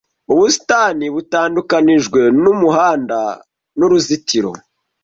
Ubusitani butandukanijwe numuhanda nuruzitiro.